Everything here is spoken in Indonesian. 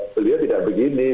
beliau tidak begini